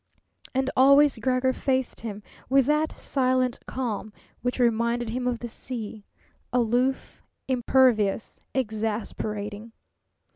And always Gregor faced him with that silent calm which reminded him of the sea, aloof, impervious, exasperating.